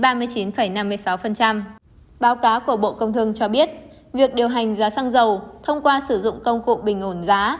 báo cáo của bộ công thương cho biết việc điều hành giá xăng dầu thông qua sử dụng công cụ bình ổn giá